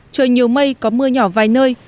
trời nhiều mây có mưa nhỏ vài nơi